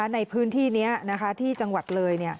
ในพื้นที่นี้ที่จังหวัดเลย